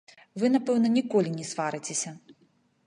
Вы, напэўна, ніколі не сварыцеся.